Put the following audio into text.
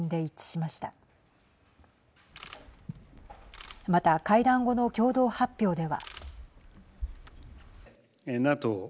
また会談後の共同発表では。